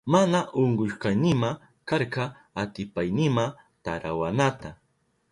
Mana unkuynima karka atipaynima tarawanata.